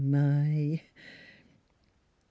My !